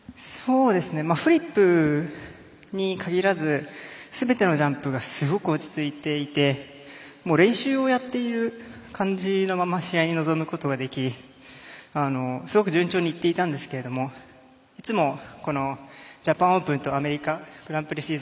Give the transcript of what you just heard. フリップに限らずすべてのジャンプがすごく落ち着いていて練習をやっている感じのまま試合に臨むことができすごく順調にいっていたんですけどいつも、ジャパンオープンとグランプリシリーズ